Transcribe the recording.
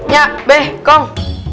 ya beh kong